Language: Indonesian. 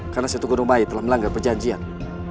karena si tugu nombayi telah melanggar perjanjian